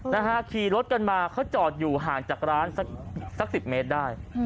นะฮะขี่รถกันมาเขาจอดอยู่ห่างจากร้านสักสักสิบเมตรได้